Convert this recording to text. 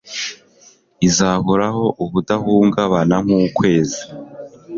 izahoraho ubudahungabana nk'ukwezi